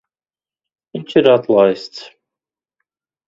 Viņš ir atlaists.